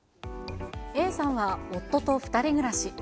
Ａさんは夫と２人暮らし。